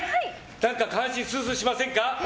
何か下半身スースーしませんか？